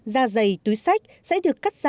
da dày túi sách sẽ được cắt ra